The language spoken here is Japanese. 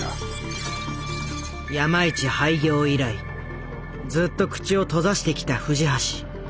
山一廃業以来ずっと口を閉ざしてきた藤橋。